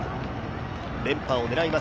連覇を狙います